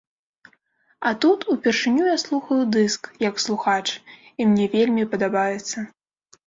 А тут, упершыню я слухаю дыск, як слухач, і мне вельмі падабаецца.